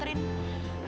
daripada rumah lo